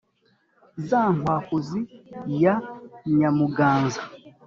za nkwakuzi ya nyamuganza.